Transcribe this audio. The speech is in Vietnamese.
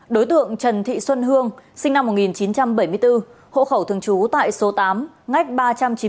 đối tượng trần thị xuân hương sinh năm một nghìn chín trăm bảy mươi bốn hộ khẩu thường trú tại số tám ngách ba trăm chín mươi bảy